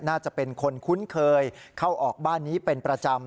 น่าจะเป็นคนคุ้นเคยเข้าออกบ้านนี้เป็นประจำ